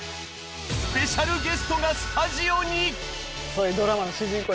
スペシャルゲストがスタジオに！